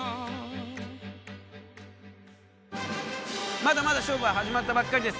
まだまだ勝負は始まったばっかりです。